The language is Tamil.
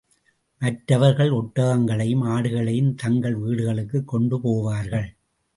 மற்றவர்கள் ஒட்டகங்களையும், ஆடுகளையும் தங்கள் வீடுகளுக்குக் கொண்டு போவார்கள்.